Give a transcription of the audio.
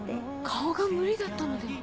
顔が無理だったのでは？